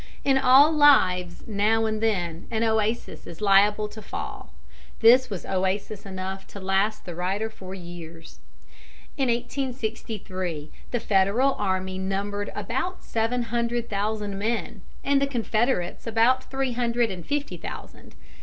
In all lives now and then an oasis is liable to fall. This was oasis enough to last the writer for years. In 1863 the Federal army numbered about seven hundred thousand men, and the Confederates about three hundred and fifty thousand.